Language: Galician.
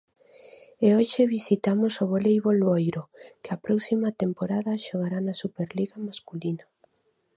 E hoxe visitamos o Voleibol Boiro, que a próxima temporada xogará na superliga masculina.